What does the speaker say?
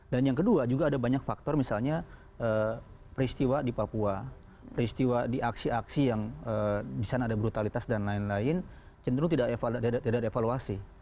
dan yang kedua juga ada banyak faktor misalnya peristiwa di papua peristiwa di aksi aksi yang disana ada brutalitas dan lain lain cenderung tidak ada evaluasi